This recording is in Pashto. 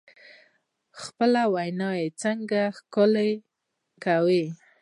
خپله وینا څنګه ښکلې کړو؟